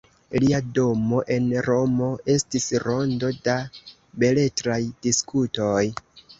Lia domo en Romo estis rondo da beletraj diskutoj.